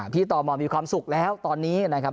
ตมมีความสุขแล้วตอนนี้นะครับ